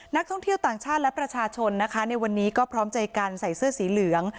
นักท่องเที่ยวต่างชาติและประชาชนนะคะในวันนี้ก็พร้อมใจกันใส่เสื้อสีเหลือง